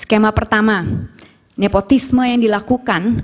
skema pertama nepotisme yang dilakukan